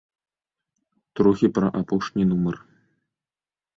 Трохі пра апошні нумар.